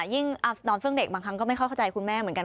นอนเฟื่องเด็กบางครั้งก็ไม่ค่อยเข้าใจคุณแม่เหมือนกัน